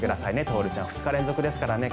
徹ちゃん、２日連続ですからね。